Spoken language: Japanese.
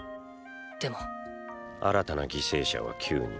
でもーー新たな犠牲者は９人。